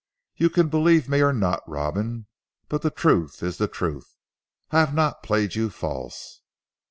You can believe me or not Robin. But the truth is the truth. I have not played you false."